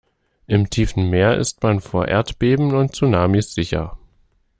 Im tiefen Meer ist man vor Erdbeben und Tsunamis sicher.